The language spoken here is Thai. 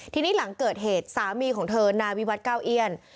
ทีนี้หลังเกิดเหตุสามีของเธอนายวิวัตรเก้าเอี้ยน